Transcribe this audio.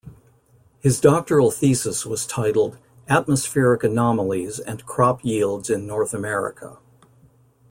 His doctoral thesis was titled, "Atmospheric anomalies and crop yields in North America".